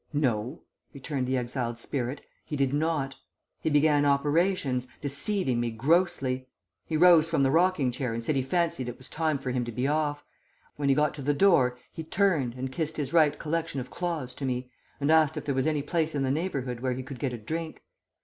"No," returned the exiled spirit, "he did not. He began operations, deceiving me grossly. He rose from the rocking chair and said he fancied it was time for him to be off. When he got to the door he turned and kissed his right collection of claws to me, and asked if there was any place in the neighbourhood where he could get a drink.